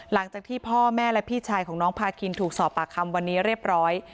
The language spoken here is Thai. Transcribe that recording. หลังจากที่พ่อแม่และพี่ชายของน้องพาคินถูกสอบปากคำวันนี้เรียบร้อย